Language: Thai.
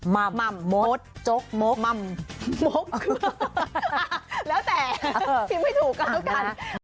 ม่ำมดจกมกม่ำมกแล้วแต่พิมพ์ให้ถูกกันด้วยกัน